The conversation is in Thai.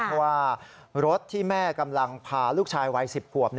เพราะว่ารถที่แม่กำลังพาลูกชายวัย๑๐ขวบ